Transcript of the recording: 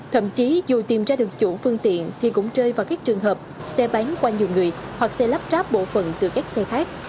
thậm chí dù tìm ra được chủ phương tiện thì cũng rơi vào các trường hợp xe bán qua nhiều người hoặc xe lắp ráp bộ phận từ các xe khác